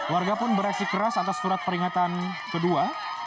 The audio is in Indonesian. warga pun beraksi keras atas surat peringatan kedua